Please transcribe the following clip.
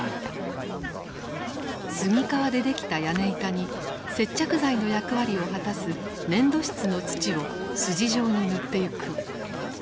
杉皮で出来た屋根板に接着剤の役割を果たす粘土質の土を筋状に塗っていく。